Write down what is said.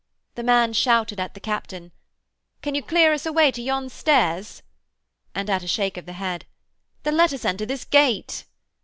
The man shouted at the captain: 'Can you clear us a way to yon stairs?' and, at a shake of the head, 'Then let us enter this gate.'